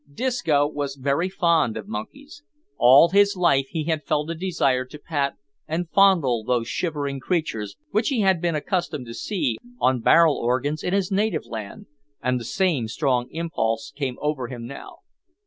Disco was very fond of monkeys. All his life he had felt a desire to pat and fondle those shivering creatures which he had been accustomed to see on barrel organs in his native land, and the same strong impulse came over him now.